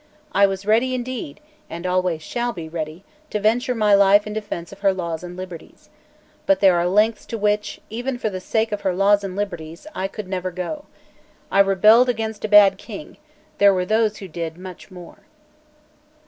I was ready, indeed, and always shall be ready, to venture my life in defence of her laws and liberties. But there are lengths to which, even for the sake of her laws and liberties, I could never go. I only rebelled against a bad King; there were those who did much more."